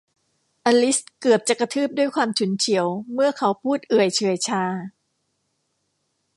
อลิซเกือบจะกระทืบด้วยความฉุนเฉียวเมื่อเขาพูดเอื่อยเฉื่อยชา